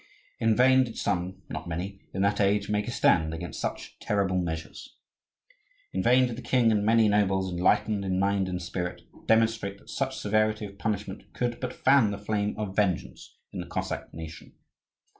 In vain did some, not many, in that age make a stand against such terrible measures. In vain did the king and many nobles, enlightened in mind and spirit, demonstrate that such severity of punishment could but fan the flame of vengeance in the Cossack nation.